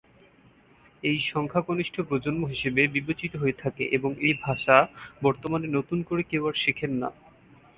এই সংখ্যা কনিষ্ঠ প্রজন্ম হিসেবে বিবেচিত হয়ে থাকে এবং এই ভাষা বর্তমানে নতুন করে কেউ আর শেখেন না।